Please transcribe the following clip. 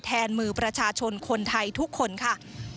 แทนมือประชาชนคนไทยทุกคนค่ะ